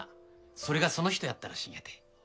それがその人やったらしいんやて。